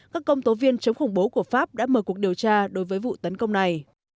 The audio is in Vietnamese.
các công tố viên chống khủng bố của pháp đã mở cuộc điều tra đối với vụ tấn công này